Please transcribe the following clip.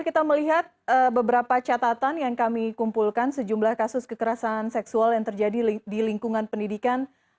kita melihat beberapa catatan yang kami kumpulkan sejumlah kasus kekerasan seksual yang terjadi di lingkungan pendidikan